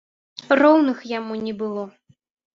Роўных яму не было!